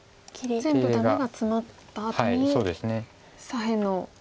全部ダメがツマったあとに左辺の黒が大丈夫か。